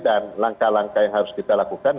dan langkah langkah yang harus kita lakukan